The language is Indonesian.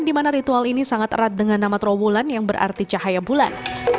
di mana ritual ini sangat erat dengan nama trawulan yang berarti cahaya bulan